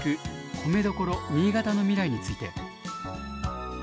米どころ新潟の未来」について。